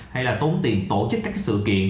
hay là tốn tiền tổ chức các sự kiện